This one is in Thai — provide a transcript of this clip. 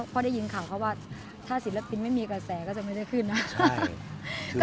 เพราะได้ยินข่าวเขาว่าถ้าศิลปินไม่มีกระแสก็จะไม่ได้ขึ้นนะ